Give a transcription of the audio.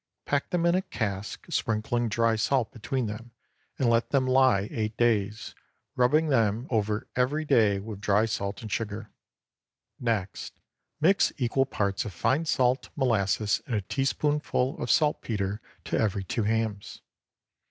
Pack them in a cask, sprinkling dry salt between them, and let them lie eight days, rubbing them over every day with dry salt and sugar. Next mix equal parts of fine salt, molasses, and a teaspoonful of saltpetre to every two hams.